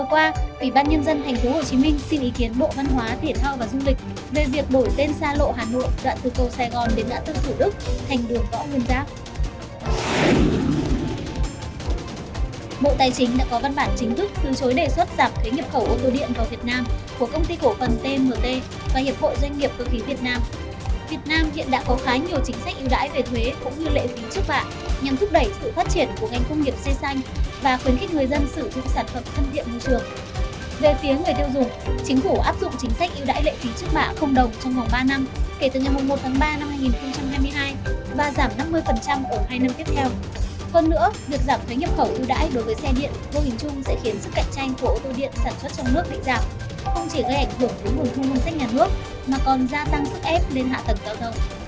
không chỉ gây ảnh hưởng đến nguồn thông ngôn sách nhà nước mà còn gia tăng sức ép lên hạ tầng cao thông